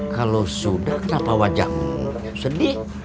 kalau sudah kenapa wajahmu sedih